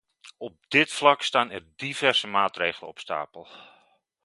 Op dit vlak staan er diverse maatregelen op stapel.